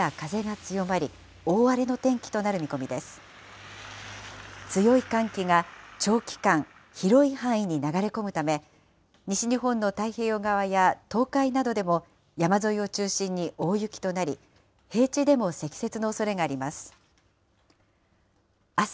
強い寒気が長期間、広い範囲に流れ込むため、西日本の太平洋側や東海などでも、山沿いを中心に大雪となり、平地でも積雪のおそれがあります。